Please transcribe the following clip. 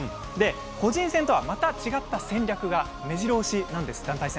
個人戦とは、また違った戦略がめじろ押しなんです、団体戦。